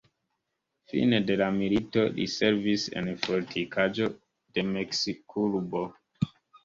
Fine de la milito, li servis en fortikaĵo de Meksikurbo.